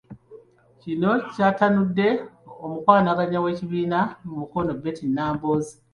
Kino kyatanudde omukwanaganya w'ekibiina mu Mukono, Betty Nambooze.